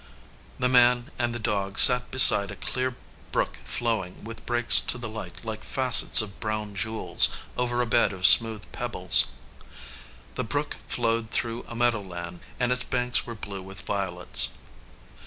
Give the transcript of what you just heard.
The man and the dog sat beside a clear brock flowing, with breaks to the light like facets of brown jewels, over a bed of smooth pebbles. The brook flowed through a meadowland, and its banks were blue with violets.